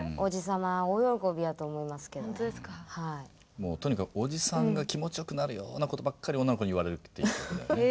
もうとにかくおじさんが気持ちよくなるような事ばっかり女の子に言われるっていう曲だよね。